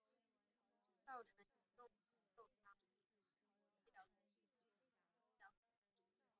造成严重受伤或死亡的医疗错误则称为医疗事故。